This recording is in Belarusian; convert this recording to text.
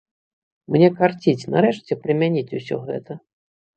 Мне карціць нарэшце прымяніць ўсё гэта!